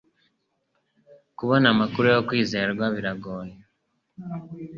kubona amakuru yo kwizerwa biragoye